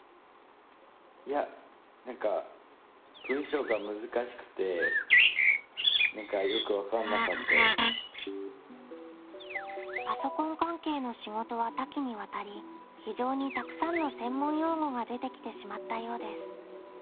いや何かパソコン関係の仕事は多岐にわたり非常にたくさんの専門用語が出てきてしまったようです。